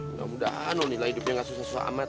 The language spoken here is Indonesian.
enggak mudah nonila hidupnya gak susah susah amat